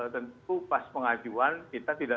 tentu pas pengajuan kita tidak